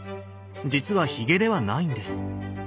実はひげではないんです。